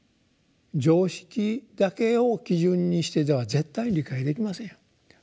常識だけを基準にしていては絶対理解できませんよ。